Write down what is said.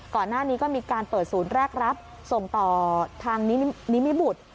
ก่อนหน้านี้ก็มีการเปิดศูนย์แรกรับส่งต่อทางนิมิบุตร